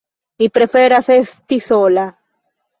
Mi preferas esti sola.